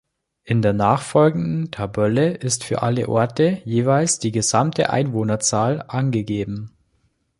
In der nachfolgenden Tabelle ist für alle Orte jeweils die gesamte Einwohnerzahl angegeben.